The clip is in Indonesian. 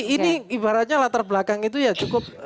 ini ibaratnya latar belakang itu ya cukup